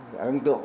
đã ấn tượng